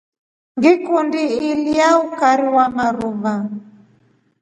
Ngikundi ilya ukari wa maruva.